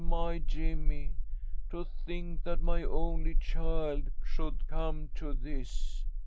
My Jimmy ! To think that my only child should come to this